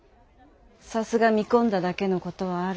さすが見込んだだけの事はある。